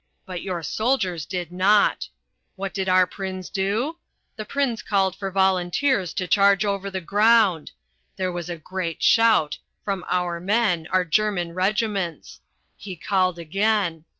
But your soldiers did not. What did our Prinz do? The Prinz called for volunteers to charge over the ground. There was a great shout from our men, our German regiments. He called again.